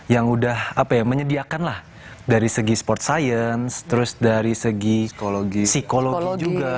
yang udah apa ya menyediakan lah dari segi sport science terus dari segi psikologi juga